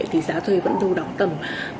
thì giá thuê vẫn đô đóng tầm